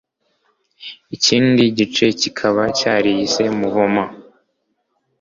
ikindi gice kikaba cyariyise Mouvement